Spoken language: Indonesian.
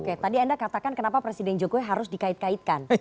oke tadi anda katakan kenapa presiden jokowi harus dikait kaitkan